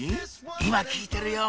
今聞いてるよ！